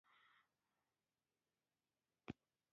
د ټولو جرمونو جزا مریتوب وټاکل شوه.